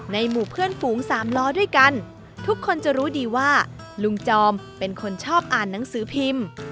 หมู่เพื่อนฝูงสามล้อด้วยกันทุกคนจะรู้ดีว่าลุงจอมเป็นคนชอบอ่านหนังสือพิมพ์